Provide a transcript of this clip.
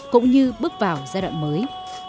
cũng như bước vào giai đoạn mới